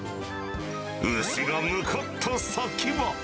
牛が向かった先は。